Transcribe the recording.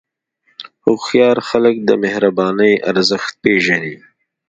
هوښیار خلک د مهربانۍ ارزښت پېژني.